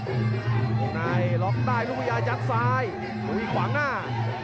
พวกนายหลอกได้ลูกมือยาจากซ้ายโบวี่ขวางหน้า